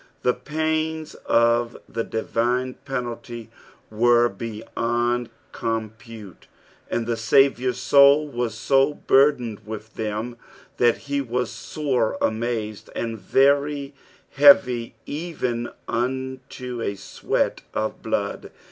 The pains of the divine penalty were beyoud com pute, and the Baviour'a soul was so burdened with them, that he was sore amazed, and very heavy even unto a sweat of blood.